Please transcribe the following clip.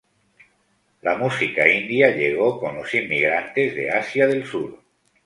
La música india llegó con los inmigrantes de Asia del Sur.